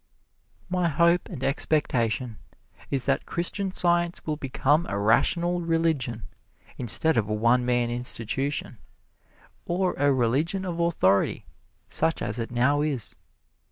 My hope and expectation is that Christian Science will become a Rational Religion instead of a one man institution, or a religion of authority, such as it now is.